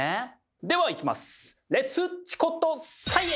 ではいきます！